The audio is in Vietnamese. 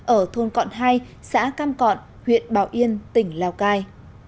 ở thôn cọn hai xã cam cọn huyện bảo yên tỉnh lào cai